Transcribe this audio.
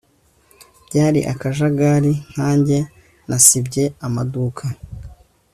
byari akajagari nkanjye nasibye amaduka